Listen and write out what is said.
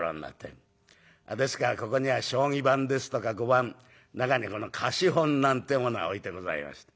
ですからここには将棋盤ですとか碁盤中にこの貸本なんてものが置いてございました。